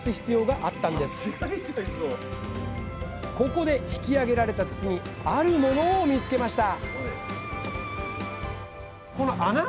ここで引きあげられた筒にあるものを見つけました